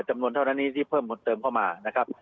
จำนวนเท่านั้นนี้ที่เพิ่มเติมเข้ามานะครับ